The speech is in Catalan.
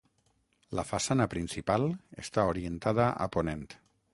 La façana principal està orientada a ponent.